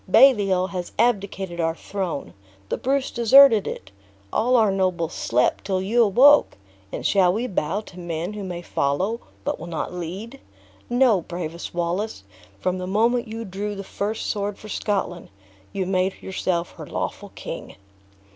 Baliol has abdicated our throne; the Bruce deserted it; all our nobles slept till you awoke; and shall we bow to men who may follow, but will not lead? No, bravest Wallace, from the moment you drew the first sword for Scotland, you made yourself her lawful king."